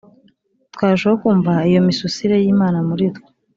twarushaho kumva iyo misusire y’imana muri twe.